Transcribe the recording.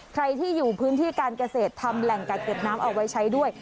ใครที่อยู่พื้นที่การเกษตรทำแหล่งกักเก็บน้ำเอาไว้ใช้ด้วย